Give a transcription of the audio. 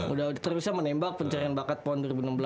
udah terusnya menembak pencarian bakat pon dua ribu enam belas